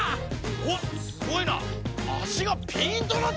おっすごいな！